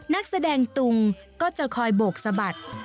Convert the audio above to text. นักแสดงตุงก็จะคอยโบกสะบัด